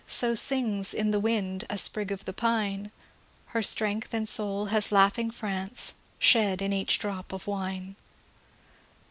So sings in the wind a sprig of the pine; Her strength and soul has laughing France Shed in each drop of wine.